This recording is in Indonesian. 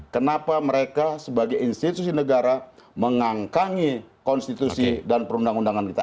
kenapa mereka sebagai institusi negara mengangkangi konstitusi dan perundang undangan kita